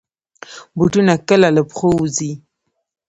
بوټونه کله له پښو وځي.